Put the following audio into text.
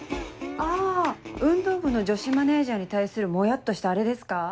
あ運動部の女子マネジャーに対するモヤっとしたアレですか？